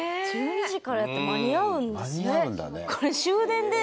１２時からやって間に合うんですね。